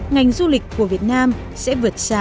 ngành du lịch của việt nam sẽ vượt xa